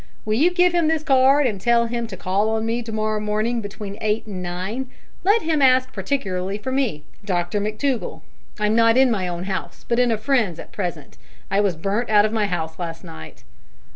Will you give him this card, and tell him to call on me to morrow morning between eight and nine? Let him ask particularly for me Dr McTougall. I'm not in my own house, but in a friend's at present; I was burnt out of my house last night."